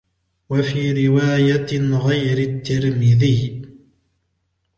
وفي روايةِ غيرِ التِّرمذيِّ